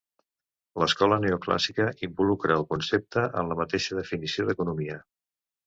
L'escola neoclàssica involucra el concepte en la mateixa definició d'economia.